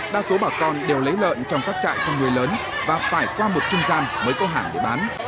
đa số bà con đều lấy lợn trong các trại cho người lớn và phải qua một trung gian mới có hãng để bán